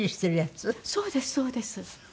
そうですそうです。